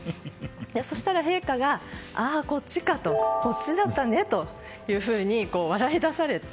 そうしたら陛下がああ、こっちかこっちだったね！と笑い出されて。